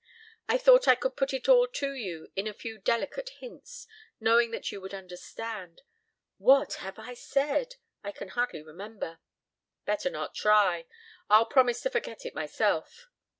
I thought I could put it all to you in a few delicate hints, knowing that you would understand. What have I said? I can hardly remember." "Better not try! I'll promise to forget it myself."